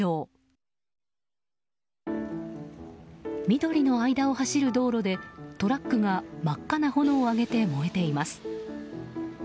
緑の間を走る道路でトラックが真っ赤な炎を上げて燃えています。